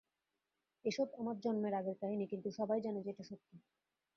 এসব আমার জন্মের আগের কাহিনী, কিন্তু সবাই জানে যে এটা সত্য।